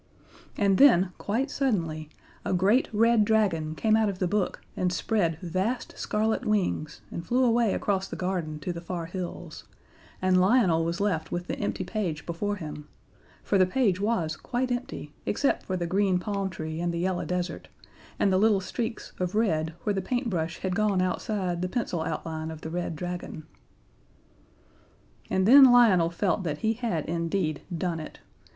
And then, quite suddenly, a great Red Dragon came out of the book and spread vast scarlet wings and flew away across the garden to the far hills, and Lionel was left with the empty page before him, for the page was quite empty except for the green palm tree and the yellow desert, and the little streaks of red where the paintbrush had gone outside the pencil outline of the Red Dragon. And then Lionel felt that he had indeed done it.